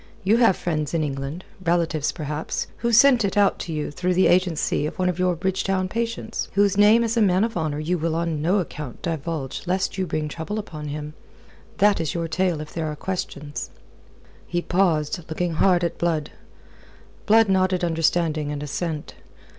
You have friends in England relatives, perhaps who sent it out to you through the agency of one of your Bridgetown patients, whose name as a man of honour you will on no account divulge lest you bring trouble upon him. That is your tale if there are questions." He paused, looking hard at Blood. Blood nodded understanding and assent.